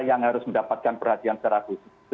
yang harus mendapatkan perhatian secara khusus